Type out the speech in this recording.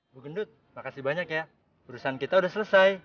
bu gendut makasih banyak ya perusahaan kita sudah selesai